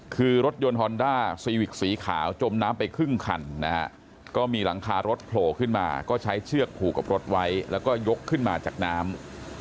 คือรถยนต์ฮอนด้าซีวิกสีขาวจมน้ำไปครึ่งคันนะฮะก็มีหลังคารถโผล่ขึ้นมาก็ใช้เชือกผูกกับรถไว้แล้วก็ยกขึ้นมาจากน้ำ